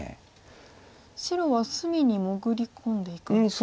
白は隅に潜り込んでいくんですか？